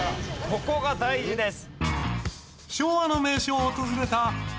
ここが大事です。